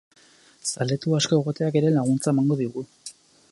Zaletu asko egoteak ere laguntza emango digu.